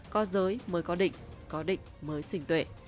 có giới mới có định có định mới sinh tuệ